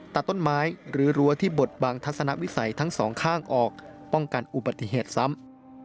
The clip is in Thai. ตัดต้นไม้หรือรั้วที่บดบังทัศนวิสัยทั้งสองข้างออกป้องกันอุบัติเหตุซ้ำ